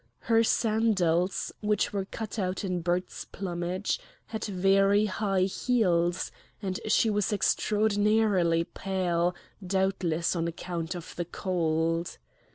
Her sandals, which were cut out in bird's plumage, had very high heels, and she was extraordinarily pale, doubtless on account of the cold.